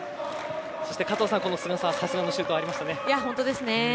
そして加藤さん、菅澤のさすがのシュートありましたね。